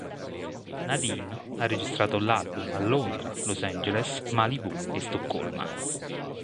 Nadine ha registrato l'album a Londra, Los Angeles, Malibù e Stoccolma.